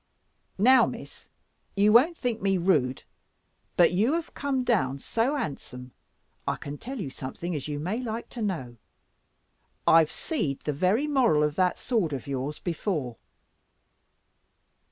"Now, Miss, you won't think me rude; but you have come down so handsome, I can tell you something as you may like to know. I've seed the very moral of that sword of yours before."